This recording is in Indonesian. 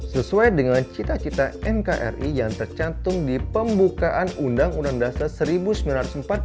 sesuai dengan cita cita nkri yang tercantum di pembukaan undang undang dasar seribu sembilan ratus empat puluh lima